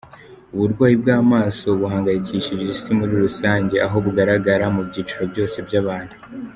Uburwayi bw’amaso buhangayikishije isi muri rusange, aho bugaragara mu byiciro byose by’abantu.